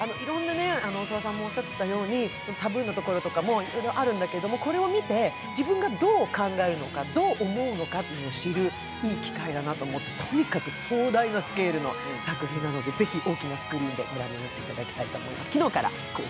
だからタブーなところとかもいろいろあるんだけれども、これを見て自分がどう考えるのか、どう思うのかを知るいい機会だなと思って、とにかく壮大なスケールの作品なので、ぜひ大きなスクリーンでご覧になっていただきたいと思います。